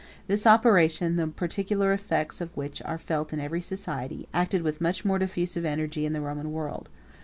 This operation, the particular effects of which are felt in every society, acted with much more diffusive energy in the Roman world.